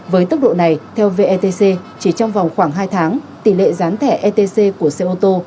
với tốc độ này theo vetc chỉ trong vòng khoảng hai tháng tỷ lệ gián thẻ etc của xe ô tô